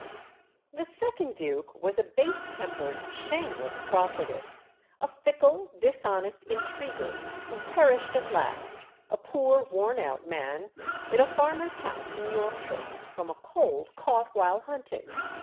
[Illustration: THE WATER GATE, 1860.] The second duke was a base tempered, shameless profligate, a fickle, dishonest intriguer, who perished at last, a poor worn out man, in a farmer's house in Yorkshire, from a cold caught while hunting.